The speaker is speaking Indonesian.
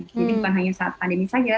jadi bukan hanya saat pandemi saja